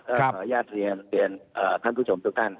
ขออนุญาตเรียนท่านผู้ชมทุกท่าน